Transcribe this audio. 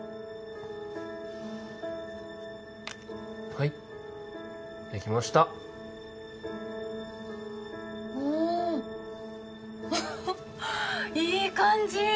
はいできましたおおおおいい感じ！